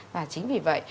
và chính vì vậy